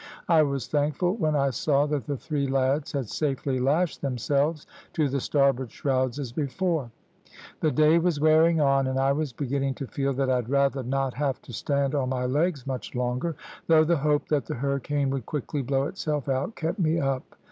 I was thankful when I saw that the three lads had safely lashed themselves to the starboard shrouds as before. The day was wearing on, and I was beginning to feel that I'd rather not have to stand on my legs much longer, though the hope that the hurricane would quickly blow itself out kept me up.